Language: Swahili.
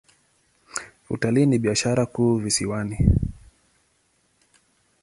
Utalii ni biashara kuu visiwani.